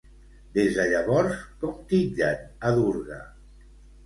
Des de llavors com titllen a Durga?